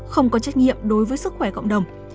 không có trách nhiệm đối với sức khỏe cộng đồng